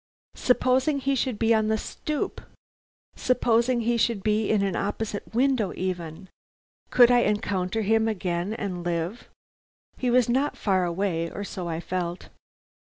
Supposing he should be on the stoop! Supposing he should be in an opposite window even! Could I encounter him again and live? He was not far away, or so I felt.